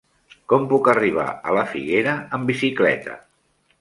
Com puc arribar a la Figuera amb bicicleta?